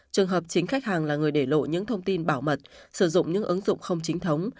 trường hợp chính khách hàng là người để lộ những thông tin bảo mật sử dụng những ứng dụng không chính thống